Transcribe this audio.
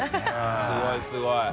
すごいすごい。